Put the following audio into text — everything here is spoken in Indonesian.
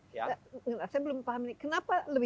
saya belum paham ini